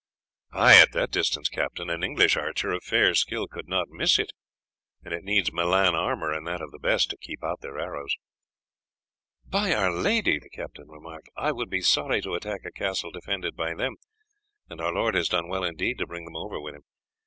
"Ay, at that distance, Captain, an English archer of fair skill could not miss it, and it needs Milan armour, and that of the best, to keep out their arrows." "By our Lady," the captain remarked, "I should be sorry to attack a castle defended by them, and our lord has done well indeed to bring them over with him.